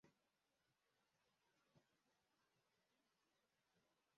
Umukobwa wambaye imyenda yiruka akurikirwa numugabo wambaye imyenda